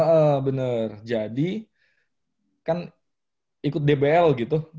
iya bener jadi kan ikut dbl gitu